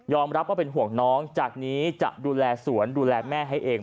รับว่าเป็นห่วงน้องจากนี้จะดูแลสวนดูแลแม่ให้เอง